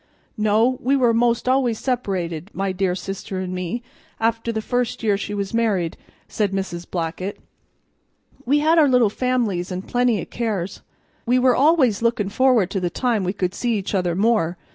"No, we were 'most always separated, my dear sister and me, after the first year she was married," said Mrs. Blackett. "We had our little families an' plenty o' cares. We were always lookin' forward to the time we could see each other more.